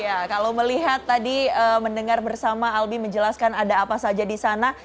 ya kalau melihat tadi mendengar bersama albi menjelaskan ada apa saja di sana